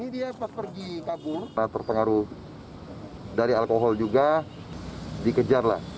berpengaruh dari alkohol juga dikejarlah